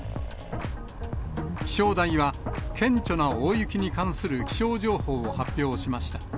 気象台は顕著な大雪に関する気象情報を発表しました。